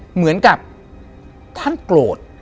เหมือนกับท่านโกรธ